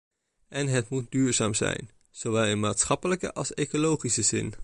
En het moet duurzaam zijn, zowel in maatschappelijke als ecologische zin.